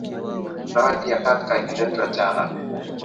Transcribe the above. Zawadi ya kaka imeletwa jana.